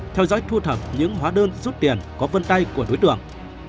theo dõi thu thập những hóa đơn rút tiền có vân tay của đối tượng